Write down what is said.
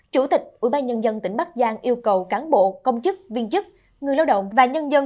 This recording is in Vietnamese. chủ tịch ubnd tỉnh bắc giang yêu cầu cán bộ công chức viên chức người lao động và nhân dân